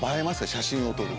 写真を撮るとね。